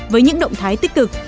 với những động thái tích cực